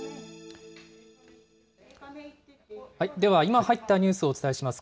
では今入ったニュースをお伝えします。